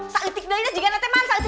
saya tidak mau saya tidak mau